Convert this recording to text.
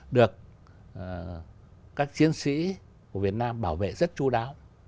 được các chiến sĩ của việt nam bảo vệ rất chú đáo